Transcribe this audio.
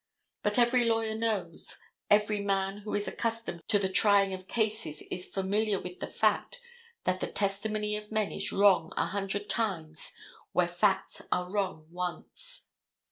But every lawyer knows, every man who is accustomed to the trying of cases is familiar with the fact that the testimony of men is wrong a hundred times where facts are wrong once.